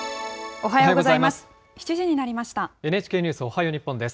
おはようございます。